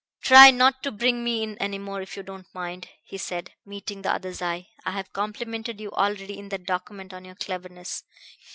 "Try not to bring me in any more, if you don't mind," he said, meeting the other's eye. "I have complimented you already in that document on your cleverness.